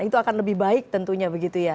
itu akan lebih baik tentunya begitu ya